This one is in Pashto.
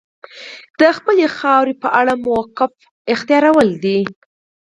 د خپلې خاورې په اړه موقف اختیارول دي.